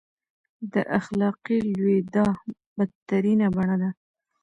د اخلاقي لوېدا بدترینه بڼه ده.